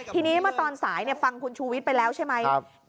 ทีนี้เมื่อตอนสายฟังคุณชูวิทย์ไปแล้วใช่ไหม